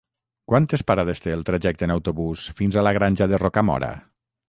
Quantes parades té el trajecte en autobús fins a la Granja de Rocamora?